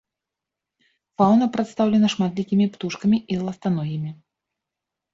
Фаўна прадстаўлена шматлікімі птушкамі і ластаногімі.